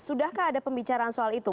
sudahkah ada pembicaraan soal itu